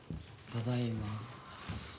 ただいま。